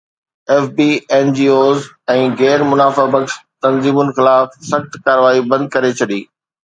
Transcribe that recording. F B N G Os ۽ غير منافع بخش تنظيمن خلاف سخت ڪارروائي بند ڪري ڇڏي